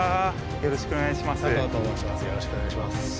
よろしくお願いします。